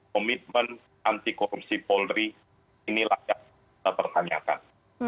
komitmen anti korupsi polri inilah yang kita pertanyakan